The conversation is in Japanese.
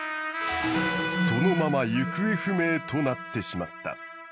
そのまま行方不明となってしまった。